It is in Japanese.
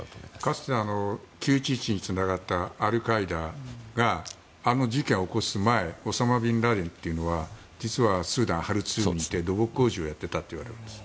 かつて９・１１につながったアルカイダがあの事件を起こす前オサマ・ビンラディンというのは実はスーダンのハルツームにいて土木工事をやってたといわれているんです。